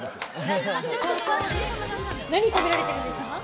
何食べられてるんですか？